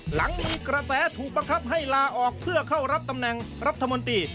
หลังมีกระแสถูกบังคับให้ลาออกเพื่อเข้ารับตำแหน่งรัฐมนตรี